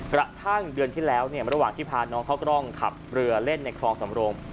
กระทั่งเดือนที่แล้วระหว่างที่พาน้องเข้ากล้องขับเรือเล่นในคลองสำโรง